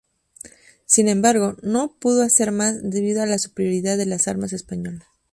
Sin embargo, no pudo hacer más, debido a la superioridad de las armas españolas.